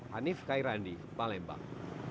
hanif kairandi malembang